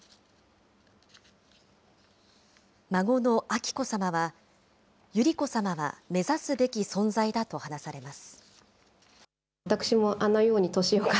孫の彬子さまは、百合子さまは目指すべき存在だと話されます。